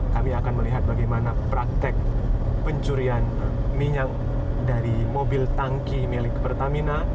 kami akan melihat bagaimana praktek pencurian minyak dari mobil tangki milik pertamina